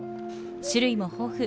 種類も豊富。